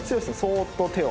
そーっと手を。